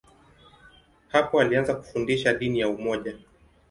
Hapo alianza kufundisha dini ya umoja.